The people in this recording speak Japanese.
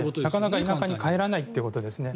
なかなかお墓に帰らないということですね。